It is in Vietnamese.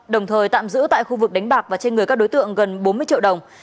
đồng thời tạm giữ tại khu vực đánh bạc và trên người các đối tượng gần bốn mươi triệu đồng